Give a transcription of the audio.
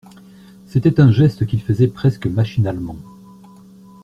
C’était un geste qu’il faisait presque machinalement.